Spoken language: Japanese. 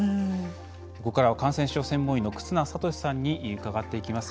ここからは感染症専門医の忽那賢志さんに伺っていきます。